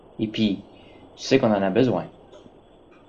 Et pis tu sais qu’on en a besoin.